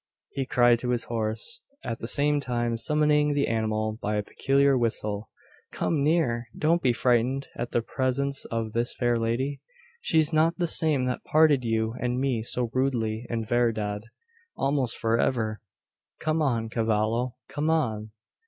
he cried to his horse, at the same time summoning the animal by a peculiar whistle. "Come near! Don't be frightened at the presence of this fair lady. She's not the same that parted you and me so rudely en verdad, almost for ever! Come on, cavallo! come on!"